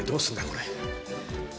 これ。